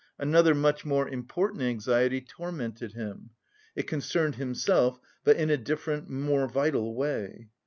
Another, much more important anxiety tormented him it concerned himself, but in a different, more vital way.